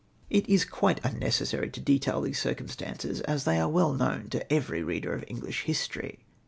It is quite unnecessary to detail these circumstances, as they are Aveh knoAvn to every reader of English history.